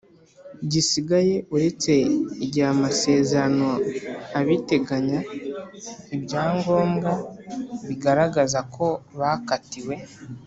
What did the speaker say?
gisigaye uretse igihe amasezerano abiteganya ibyangombwa bigaragaza ko bakatiwe